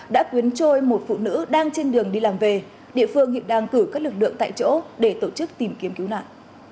đã cuốn trôi một phụ nữ đang trên đường đi làm về địa phương hiện đang cử các lực lượng tại chỗ để tổ chức tìm kiếm cứu nạn